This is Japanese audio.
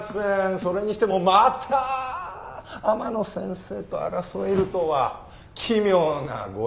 それにしてもまた天野先生と争えるとは奇妙なご縁ですね。